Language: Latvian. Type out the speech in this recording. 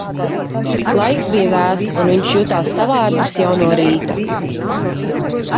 Laiks bija vēss, un viņš jutās savārdzis jau no rīta.